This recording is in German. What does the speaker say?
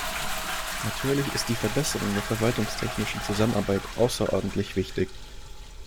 Natürlich ist die Verbesserung der verwaltungstechnischen Zusammenarbeit außerordentlich wichtig.